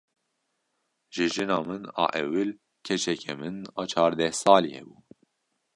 Ji jina min a ewil keçeke min a çardeh salî hebû.